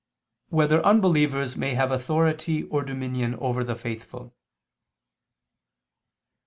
10] Whether Unbelievers May Have Authority or Dominion Over the Faithful?